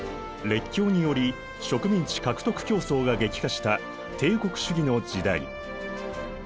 列強により植民地獲得競争が激化した帝国主義の時代。